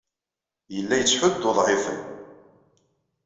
Yella yettḥuddu uḍɛifen.